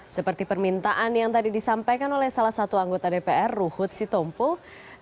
seperti permintaan yang tadi disampaikan oleh salah satu anggota dpr ruhut sitompul